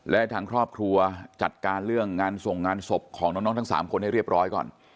และทางครอบครัวจัดการเรื่องงานส่งงานศพของน้องทั้ง๓คนให้เรียบร้อยก่อน